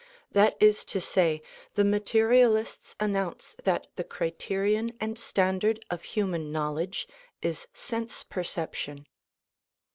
That is to say, the materialists announce that the criterion and standard of human knowledge is sense perception.